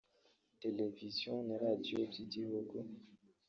Televiziyo na Radiyo by’igihugu